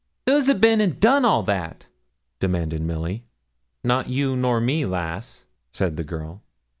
'Who's a bin and done all that?' demanded Milly. 'Not you nor me, lass,' said the girl.